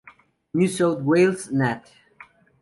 New South Wales Nat.